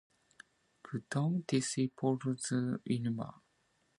Ctam, tiix trooqui z imalaahi.